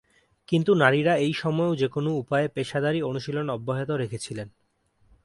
কিন্তু নারীরা এই সময়েও যেকোনো উপায়ে পেশাদারী অনুশীলন অব্যাহত রেখেছিলেন।